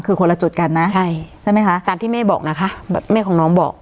คือคนละจุดกันนะใช่ใช่ไหมคะตามที่แม่บอกนะคะแบบแม่ของน้องบอก